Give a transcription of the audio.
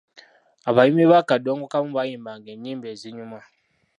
Abayimbi ba kaddongokamu bayimbanga ennyimba ezinyuma.